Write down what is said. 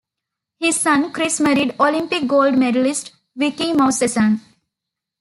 His son Chris married Olympic gold medallist Vicki Movsessian.